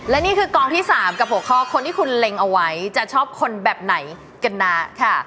และนี่คือกองที่๓กับหัวข้อคนที่คุณเล็งเอาไว้จะชอบคนแบบไหนกันนะค่ะ